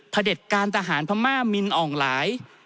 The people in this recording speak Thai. พระเดชน์การศาหารพม่ามินอ่องหลาย